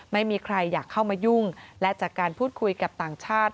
ไม่มีใครอยากเข้ามายุ่งและจากการพูดคุยกับต่างชาติ